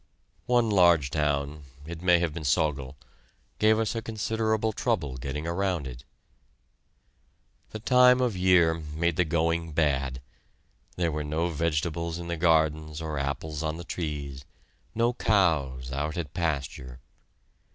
One large town it may have been Sögel gave us considerable trouble getting around it. The time of year made the going bad. There were no vegetables in the gardens or apples on the trees; no cows out at pasture.